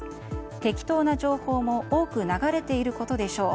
適当な情報も多く流れていることでしょう